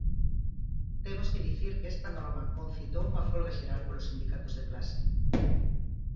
Temos que dicir que esta norma concitou unha folga xeral polos sindicatos de clase.